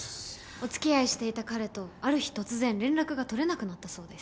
お付き合いしていた彼とある日突然連絡が取れなくなったそうです。